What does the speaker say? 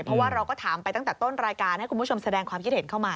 เพราะว่าเราก็ถามไปตั้งแต่ต้นรายการให้คุณผู้ชมแสดงความคิดเห็นเข้ามา